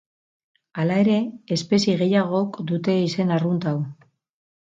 Hala ere, espezie gehiagok dute izen arrunt hau.